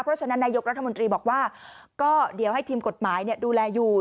เพราะฉะนั้นนายกรัฐมนตรีบอกว่าก็เดี๋ยวให้ทีมกฎหมายดูแลอยู่